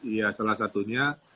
ya salah satunya